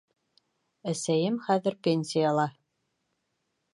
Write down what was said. Әсәйем хәҙер пенсияла